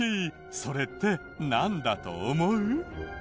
それってなんだと思う？